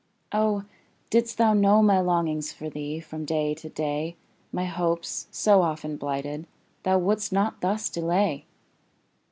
Oh, didst thou know my longings For thee, from day to day, My hopes, so often blighted, Thou wouldst not thus delay!